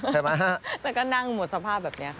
ใช่ไหมฮะแล้วก็นั่งหมดสภาพแบบนี้ค่ะ